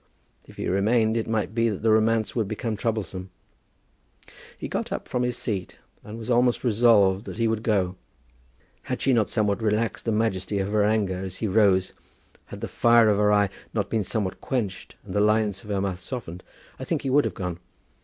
If he remained it might be that the romance would become troublesome. He got up from his seat, and had almost resolved that he would go. Had she not somewhat relaxed the majesty of her anger as he rose, had the fire of her eye not been somewhat quenched and the lines of her mouth softened, I think that he would have gone.